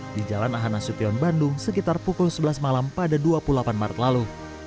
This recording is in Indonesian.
di jalan ahanasution bandung sekitar pukul sebelas malam pada dua puluh delapan maret lalu